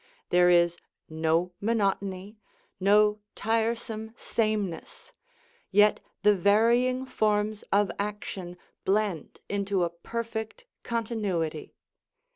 There is no monotony, no tiresome sameness; yet the varying forms of action blend into a perfect continuity.